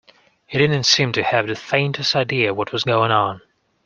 He didn't seem to have the faintest idea what was going on.